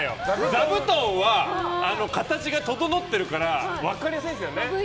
ザブトンは形が整ってるから分かりやすいんですよね。